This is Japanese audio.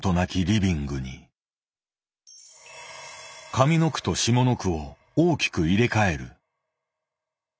上の句と下の句を大きく入れ替える。